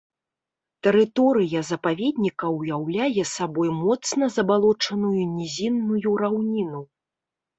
Тэрыторыя запаведніка ўяўляе сабой моцна забалочаную нізінную раўніну.